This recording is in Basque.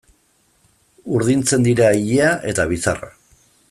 Urdintzen dira ilea eta bizarra.